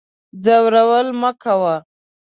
ځورول مکوه